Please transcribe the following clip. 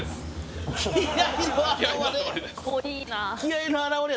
気合いの表れ！？